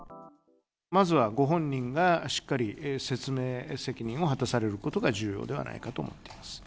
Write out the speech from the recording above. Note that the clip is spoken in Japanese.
まずはご本人がしっかり説明責任を果たされることが重要ではないかと思っています。